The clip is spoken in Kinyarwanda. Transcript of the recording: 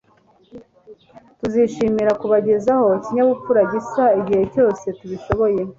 Tuzishimira kubagezaho ikinyabupfura gisa igihe cyose tubishoboye